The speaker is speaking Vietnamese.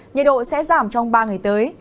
nhiệt độ sẽ giảm trong ba ngày tới